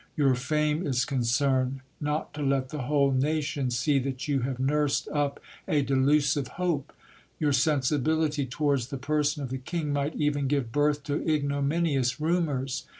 Your fame is concerned, not to let the whole nation see that you have nursed up a delusive hope. Your sensibility towards the person of the king might even give birth to ignominious rumours.